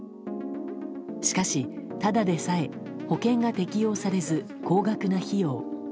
しかし、ただでさえ保険が適用される高額な費用。